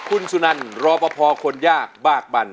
คุณสุนันรอปภคนยากบากบัน